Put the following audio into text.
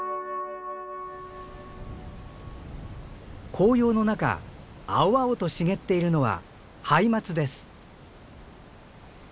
紅葉の中青々と茂っているのはハイマツです。